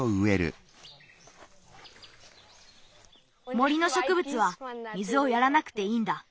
森のしょくぶつは水をやらなくていいんだ。